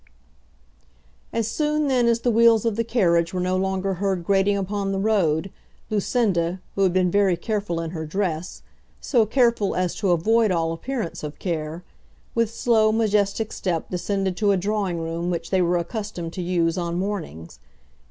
As soon then as the wheels of the carriage were no longer heard grating upon the road, Lucinda, who had been very careful in her dress, so careful as to avoid all appearance of care, with slow majestic step descended to a drawing room which they were accustomed to use on mornings.